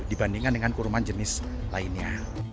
dibandingkan dengan kurma jenis lainnya